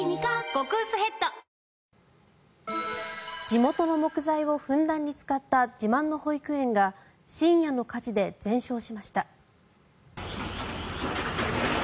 地元の木材をふんだんに使った自慢の保育園が深夜の火事で全焼しました。